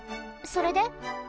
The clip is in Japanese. それで？